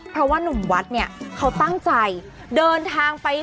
เพราะว่านุ่มวัดเนี่ยเขาตั้งใจเดินทางไป